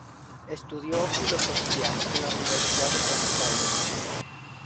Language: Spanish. Estudió filosofía en la Universidad de Buenos Aires.